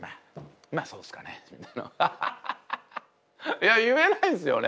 いや言えないんですよね。